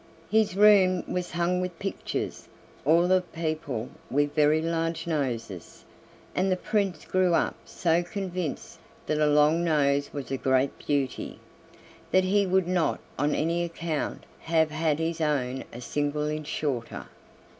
His room was hung with pictures, all of people with very large noses; and the Prince grew up so convinced that a long nose was a great beauty, that he would not on any account have had his own a single inch shorter!